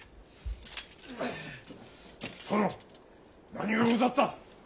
殿何がござった？